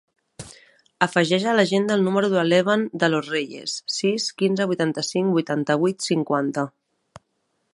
Afegeix a l'agenda el número de l'Evan De Los Reyes: sis, quinze, vuitanta-cinc, vuitanta-vuit, cinquanta.